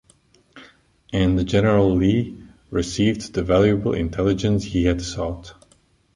And General Lee received the valuable intelligence he had sought.